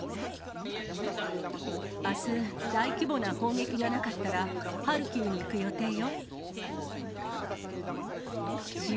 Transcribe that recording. あす、大規模な砲撃がなかったら、ハルキウに行く予定よ。